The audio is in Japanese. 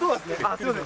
すみません。